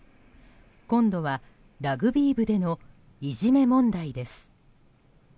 今度はラグビー部でのいじめ問題です。